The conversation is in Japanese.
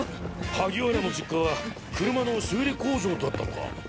萩原の実家は車の修理工場だったのか。